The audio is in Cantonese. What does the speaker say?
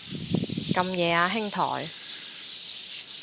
咁夜啊兄台